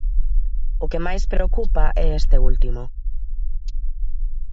O que máis preocupa é este último.